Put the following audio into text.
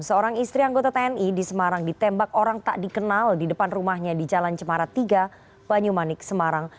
seorang istri anggota tni di semarang ditembak orang tak dikenal di depan rumahnya di jalan cemara tiga banyumanik semarang